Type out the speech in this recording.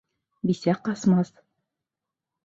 Бисә ҡасмаҫ.